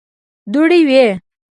دوړې وې.